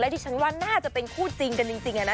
ที่ฉันว่าน่าจะเป็นคู่จริงกันจริง